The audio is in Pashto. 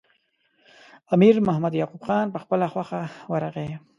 امیر محمد یعقوب خان په خپله خوښه ورغی.